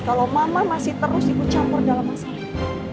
kalau mama masih terus ikut campur dalam masalah